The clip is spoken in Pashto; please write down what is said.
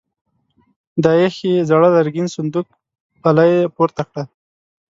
د ايښې زاړه لرګين صندوق پله يې پورته کړه.